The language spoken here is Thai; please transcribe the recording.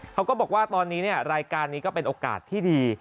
เขาก็บอกว่าตอนนี้รายการนี้ก็เป็นโอกาสที่ดี